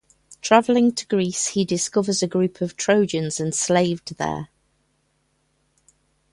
Travelling to Greece, he discovers a group of Trojans enslaved there.